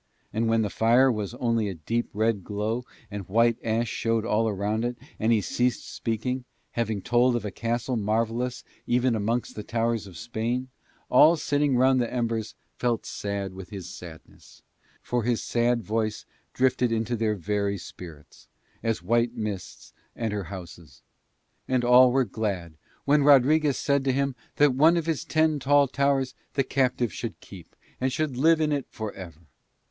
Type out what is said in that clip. And when the fire was only a deep red glow and white ash showed all round it, and he ceased speaking, having told of a castle marvellous even amongst the towers of Spain: all sitting round the embers felt sad with his sadness, for his sad voice drifted into their very spirits as white mists enter houses, and all were glad when Rodriguez said to him that one of his ten tall towers the captive should keep and should live in it for ever.